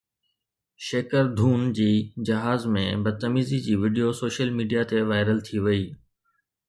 شيڪر ڌون جي جهاز ۾ بدتميزي جي وڊيو سوشل ميڊيا تي وائرل ٿي وئي